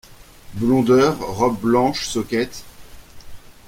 Blondeur, robe blanche, socquettes…